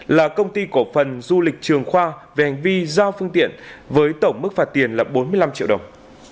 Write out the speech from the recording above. là công ty cổ phần du lịch trường khoa về hành vi giao phương tiện với tổng mức phạt tiền là bốn mươi năm triệu đồng